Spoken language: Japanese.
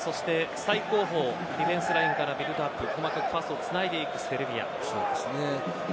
最後方、ディフェンスラインからビルドアップうまくパスをつないでいくセルビア。